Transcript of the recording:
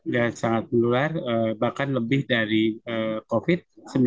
dan sangat menular bahkan lebih dari covid sembilan belas